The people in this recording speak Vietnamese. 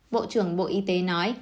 bộ trưởng bộ y tế nói